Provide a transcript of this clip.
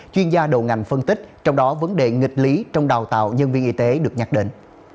chuyên gia đầu ngành phân tích trong đó vấn đề nghị nghịch lý trong đào tạo nhân viên y tế được nhắc định